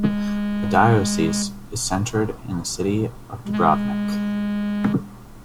The diocese is centred in the city of Dubrovnik.